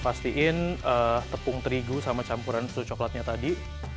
pastiin tepung terigu sama campuran susu coklatnya tadi